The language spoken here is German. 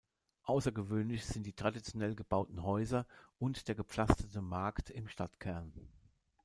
Außergewöhnlich sind die traditionell gebauten Häuser und der gepflasterte Markt im Stadtkern.